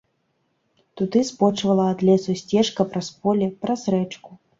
Туды збочвала ад лесу сцежка праз поле, праз рэчку.